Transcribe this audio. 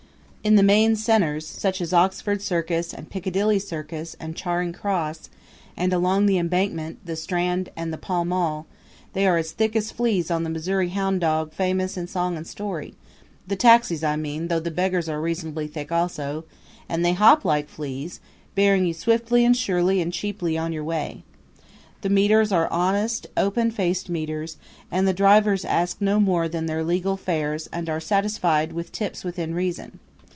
In the main centers, such as Oxford Circus and Piccadilly Circus and Charing Cross, and along the Embankment, the Strand and Pall Mall, they are as thick as fleas on the Missouri houn' dawg famous in song and story the taxis, I mean, though the beggars are reasonably thick also and they hop like fleas, bearing you swiftly and surely and cheaply on your way. The meters are honest, openfaced meters; and the drivers ask no more than their legal fares and are satisfied with tips within reason.